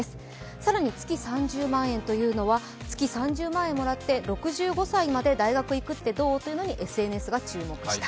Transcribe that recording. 更に月３０万円というのは、月３０万円もらって、６５歳まで大学行くってどうってＳＮＳが注目した。